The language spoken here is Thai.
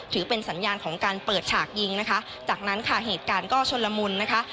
ถือเป็นสัญญาณของการเปิดฉากยิงนะคะจากนั้นค่ะเหตุการณ์ก็ชนละมุนนะคะ